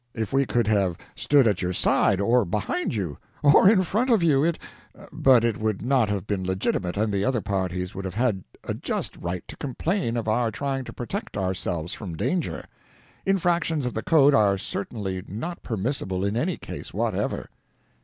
If we could have stood at your side, or behind you, or in front of you, it but it would not have been legitimate and the other parties would have had a just right to complain of our trying to protect ourselves from danger; infractions of the code are certainly not permissible in any case whatever."